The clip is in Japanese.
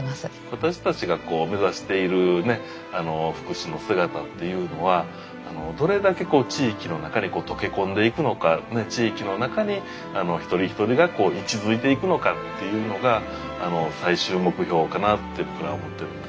私たちがこう目指している福祉の姿っていうのはどれだけ地域の中に溶け込んでいくのか地域の中で一人一人が息づいていくのかっていうのが最終目標かなって僕らは思ってるんです。